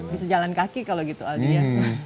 bisa jalan kaki kalau gitu aldi ya